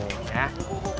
ya udah yaudah